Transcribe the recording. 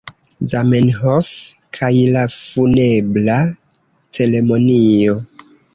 Zamenhof kaj la Funebra Ceremonio.